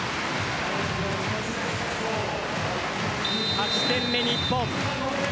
８点目、日本。